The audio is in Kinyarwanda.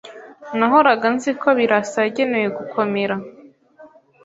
Nahoraga nzi ko Birasa yagenewe gukomera.